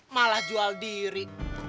malah jual diri